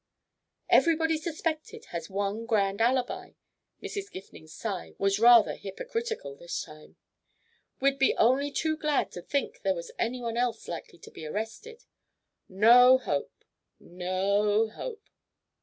"Everybody suspected has one grand alibi." Mrs. Gifning's sigh was rather hypocritical this time. "We'd be only too glad to think there was any one else likely to be arrested. No hope! No hope!"